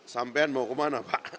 sampean mau kemana pak